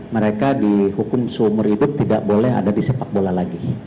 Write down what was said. mereka dihukum seumur hidup tidak boleh ada di sepak bola lagi